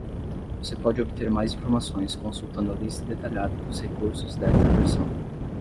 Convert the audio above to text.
Você pode obter mais informações consultando a lista detalhada dos recursos desta versão.